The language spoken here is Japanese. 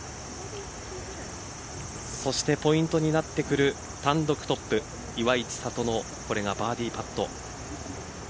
そしてポイントになってくる単独トップ岩井千怜のこれがバーディーパット。